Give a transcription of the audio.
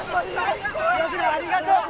岩倉ありがとう。